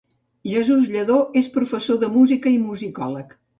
Jesús Lladó és professor de música i musicòleg.